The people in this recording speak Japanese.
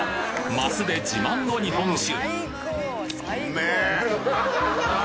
升で自慢の日本酒！